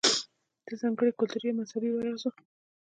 ده ځانګړې کلتوري يا مذهبي ورځو